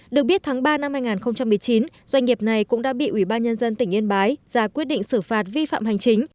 được biết tháng ba năm hai nghìn một mươi chín doanh nghiệp này cũng đã bị ubnd tỉnh yên bái ra quyết định xử phạt vi phạm hành chính